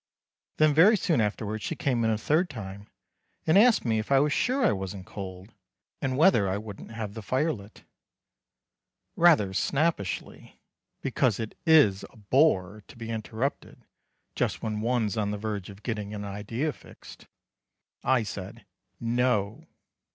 Then very soon afterwards she came in a third time, and asked me if I was sure I wasn't cold, and whether I wouldn't have the fire lit. Rather snappishly because it is a bore to be interrupted just when one's on the verge of getting an idea fixed I said "No."